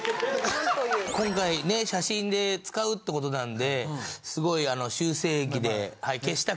今回ね写真で使うってことなんですごい。